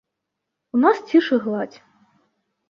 У нас ціш і гладзь.